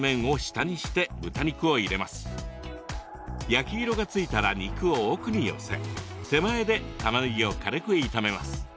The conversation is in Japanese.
焼き色がついたら肉を奥に寄せ手前でたまねぎを軽く炒めます。